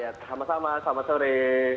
ya sama sama selamat sore